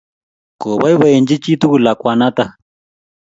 Kopoipoenji chi tukul lakwanatak